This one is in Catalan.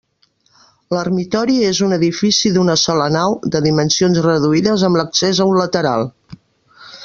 L'ermitori és un edifici d'una sola nau, de dimensions reduïdes, amb l'accés a un lateral.